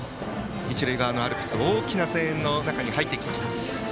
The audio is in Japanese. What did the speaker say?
一塁側のアルプス大きな声援の中に入っていきました。